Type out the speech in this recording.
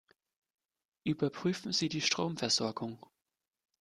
Überprüfen Sie die Stromversorgung.